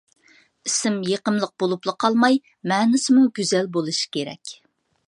ئىسىم يېقىملىق بولۇپلا قالماي، مەنىسىمۇ گۈزەل بولۇشى كېرەك.